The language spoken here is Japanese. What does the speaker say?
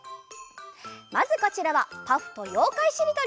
まずこちらは「パフ」と「ようかいしりとり」。